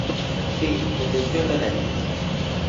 Si, de tensión de nervios.